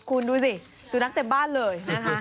คุณดูสิสุนัขเต็มบ้านเลยนะคะ